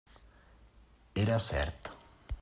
Era cert.